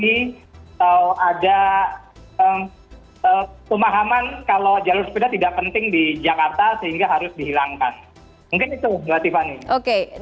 kalau ada pemahaman kalau jalur sepeda tidak penting di jakarta sehingga harus dihilangkan